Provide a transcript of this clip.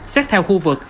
xét theo khu vực